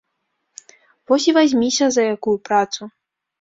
Вось і вазьміся за якую працу.